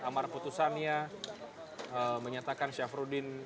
amar putusannya menyatakan syafruddin